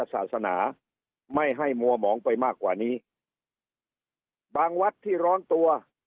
ศาสนาไม่ให้มัวหมองไปมากกว่านี้บางวัดที่ร้อนตัว